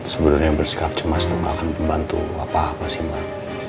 sebenarnya bersikap cemas itu gak akan membantu apa sih mbak